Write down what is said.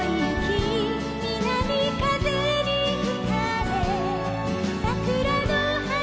「みなみかぜにふかれ」「サクラのはな